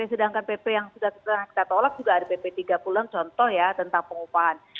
sedangkan pp yang sudah kita tolak ada pp tiga puluh yang contoh tentang pengupahan